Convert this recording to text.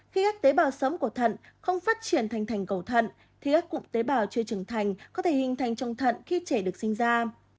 khi các tế bào sớm của thận không phát triển thành thành cầu thận thì các cụm tế bào chưa trưởng thành có thể hình thành trong thận khi trẻ được sinh ra